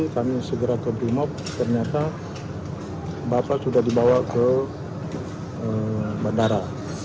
kami segera ke brimob ternyata bapak sudah dibawa ke bandara